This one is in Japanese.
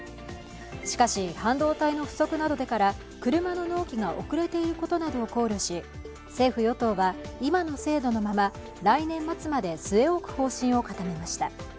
しかし、半導体の不足などでから車の納期が遅れていることなどを考慮し政府・与党は今の制度のまま来年末まで据え置く方針を固めました。